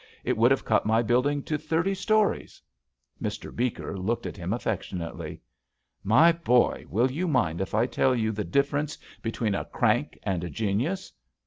It would have cut my build ing to thirty stories." Mr. Beeker looked at him affectionately. "My boy, will you mind if I tell you the difference between a crank and a genius?"